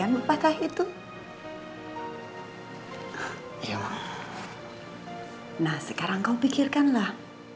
nah sekarang kau pikirkanlah